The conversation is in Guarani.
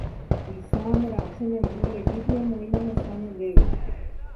¡Lizandra! che memby ejúpy emoĩ la mesa ñandéve.